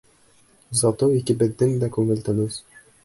Зато икебеҙҙең дә күңел тыныс!